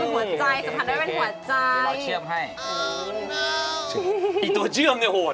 มันตาอย่างเงี่ย